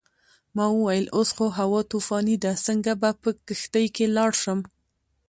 ما وویل اوس خو هوا طوفاني ده څنګه به په کښتۍ کې لاړ شم.